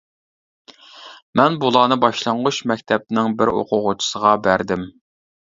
مەن بۇلارنى باشلانغۇچ مەكتەپنىڭ بىر ئوقۇغۇچىسىغا بەردىم.